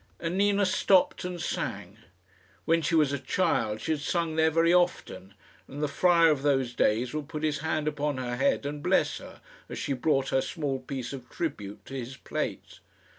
And Nina stopped and sang. When she was a child she had sung there very often, and the friar of those days would put his hand upon her head and bless her, as she brought her small piece of tribute to his plate.